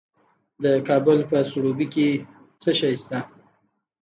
د کابل په سروبي کې څه شی شته؟